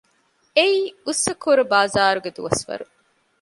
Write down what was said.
އެއީ އުއްސަކުރު ބާޒާރުގެ ދުވަސްވަރު